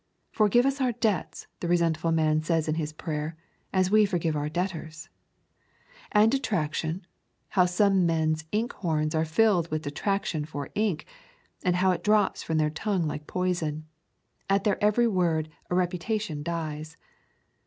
Forgive us our debts, the resentful man says in his prayer, as we forgive our debtors. And detraction, how some men's ink horns are filled with detraction for ink, and how it drops from their tongue like poison! At their every word a reputation dies.